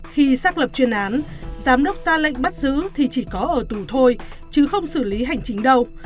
khi xác lập chuyên án giám đốc ra lệnh bắt giữ thì chỉ có ở tù thôi chứ không xử lý hành chính đâu